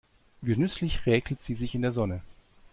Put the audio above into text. Genüsslich räkelt sie sich in der Sonne.